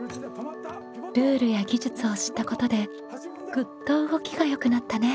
ルールや技術を知ったことでグッと動きがよくなったね。